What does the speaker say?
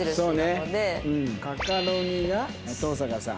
カカロニが東坂さん。